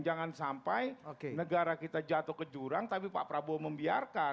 jangan sampai negara kita jatuh ke jurang tapi pak prabowo membiarkan